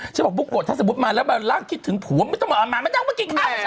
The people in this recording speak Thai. ฉันบอกพูดก่อนถ้าสมมติมาแล้วล่างคิดถึงผู้ว่าไม่ต้องมาเอามามาน๊าวเมื่อกี้กับฉัน